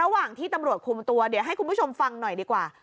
ระหว่างที่ตำรวจคุมตัวเดี๋ยวให้คุณผู้ชมฟังหน่อยดีกว่า